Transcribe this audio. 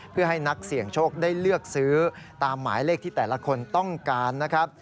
เพื่อให้นักเสี่ยงโชคได้เลือกซื้อตามหมายเลขที่แต่ละคนต้องการนะครับ